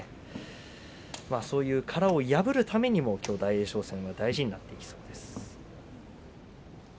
そういう殻を破るためにも、きょう大栄翔戦が大事になってきます。